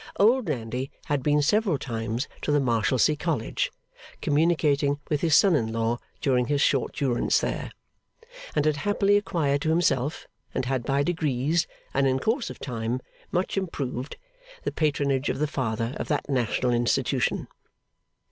Old Nandy had been several times to the Marshalsea College, communicating with his son in law during his short durance there; and had happily acquired to himself, and had by degrees and in course of time much improved, the patronage of the Father of that national institution.